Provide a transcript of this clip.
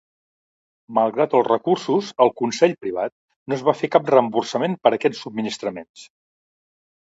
Malgrat els recursos al Consell Privat, no es va fer cap reemborsament per aquests subministraments.